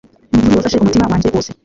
Nukuri wafashe umutima wanjye wose